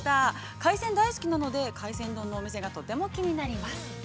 海鮮大好きなので海鮮丼のお店がとても気になります。